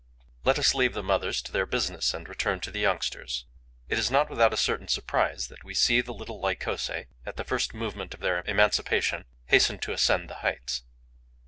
Let us leave the mothers to their business and return to the youngsters. It is not without a certain surprise that we see the little Lycosae, at the first moment of their emancipation, hasten to ascend the heights.